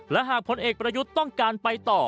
และหากพลเอกประยุทธ์ต้องการไปต่อ